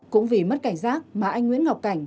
cũng vì mất cảnh giác mà anh nguyễn ngọc cảnh